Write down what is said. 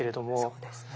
そうですね。